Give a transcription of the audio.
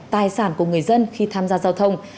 tài sản của người dân khi tham gia giao thông